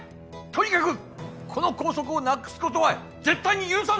とにかくこの校則をなくす事は絶対に許さん！